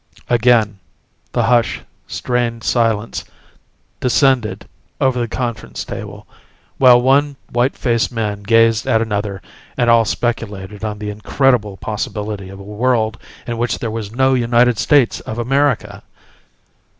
Again the hushed, strained silence descended over the conference table, while one white faced man gazed at another and all speculated on the incredible possibility of a world in which there was no United States of America.